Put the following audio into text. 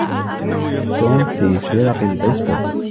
توم في فرق البيسبول